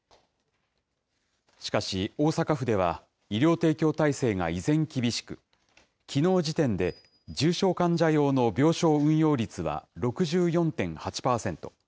しかし、大阪府では医療提供体制が依然厳しく、きのう時点で重症患者用の病床運用率は６４．８％。